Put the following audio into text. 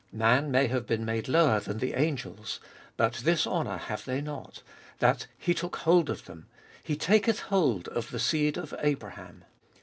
Man may have been made lower than the angels, but this honour have they not, that He took hold of them — He taketh hold of the seed of Abraham.